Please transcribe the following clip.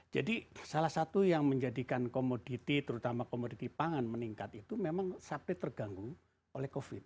jadi salah satu yang menjadikan komoditi terutama komoditi pangan meningkat itu memang supply terganggu oleh covid